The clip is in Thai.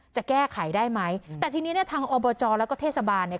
จะแก้ไขได้ไหมแต่ทีนี้เนี่ยทางอบจแล้วก็เทศบาลเนี่ย